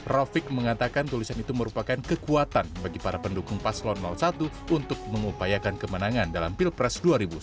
rofik mengatakan tulisan itu merupakan kekuatan bagi para pendukung paslon satu untuk mengupayakan kemenangan dalam pilpres dua ribu sembilan belas